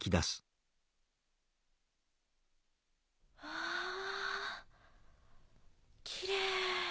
わぁきれい。